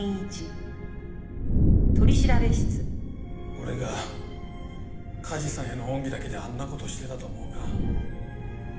俺が梶さんへの恩義だけであんな事をしてたと思うか？